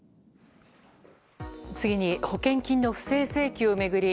次に、保険金の不正請求を巡り